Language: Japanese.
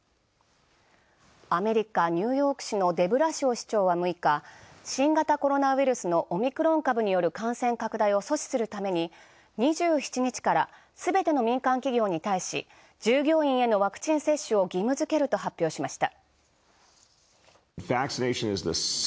アメリカ、ニューヨーク市のデブラシオ市長は６日、新型コロナウイルスのオミクロン株の感染拡大を阻止するために２７日からすべての民間企業に対し、従業員へのワクチン接種を義務付けると発表しました。